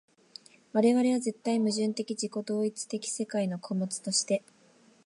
我々は絶対矛盾的自己同一的世界の個物として、